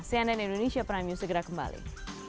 cnn indonesia prime news segera kembali